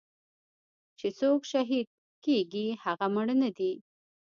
چې سوک شهيد کيګي هغه مړ نه دې.